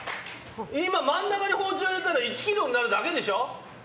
今、真ん中に包丁入れたら１ｋｇになるだけでしょ！